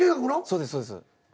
そうですそうです。